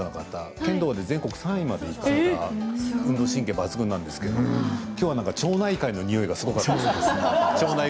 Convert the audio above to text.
剣道で全国３位にいった方なんで運動神経抜群なんですけれどきょうは町内会のにおいがすごかったですね。